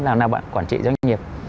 làm nào để bạn quản trị doanh nghiệp